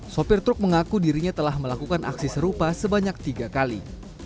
sopir truk mengaku dirinya telah melakukan aksi serupa sebanyak tiga kali